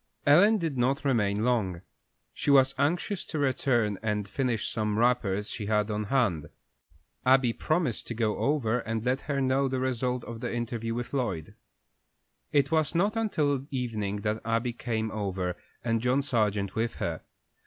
Ellen did not remain long. She was anxious to return and finish some wrappers she had on hand. Abby promised to go over and let her know the result of the interview with Lloyd. It was not until evening that Abby came over, and John Sargent with her.